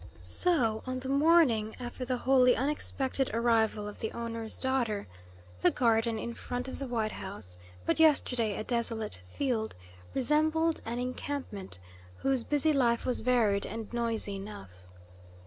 So, on the morning after the wholly unexpected arrival of the owner's daughter, the "garden" in front of the white house, but yesterday a desolate field, resembled an encampment, whose busy life was varied and noisy enough.